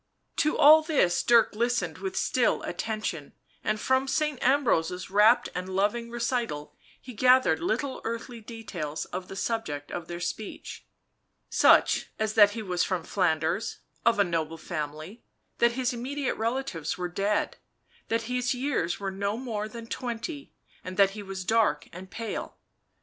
To all this Dirk listened with still attention, and from Saint Ambrose's rapt and loving recital he gathered little earthly details of the subject of their speech. Such as that he was from Flanders, •of a noble family, that his immediate relatives were dead, that his years were no more than twenty, and that he was dark and pale.